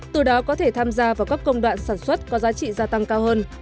từ đó có thể tham gia vào các công đoạn sản xuất có giá trị gia tăng cao hơn